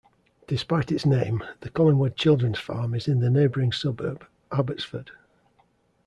Despite its name, the Collingwood Children's Farm is in the neighbouring suburb Abbortsford.